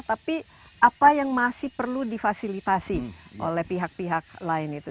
tapi apa yang masih perlu difasilitasi oleh pihak pihak lain itu